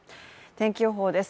天気予報です。